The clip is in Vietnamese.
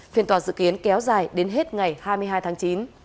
phiên tòa dự kiến kéo dài đến hết ngày hai mươi hai tháng chín